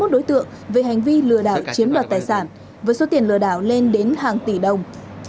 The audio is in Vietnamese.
hai mươi một đối tượng về hành vi lừa đảo chiếm đoạt tài sản với số tiền lừa đảo lên đến hàng tỷ đồng